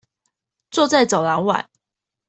坐在走廊外